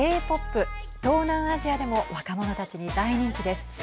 東南アジアでも若者たちに大人気です。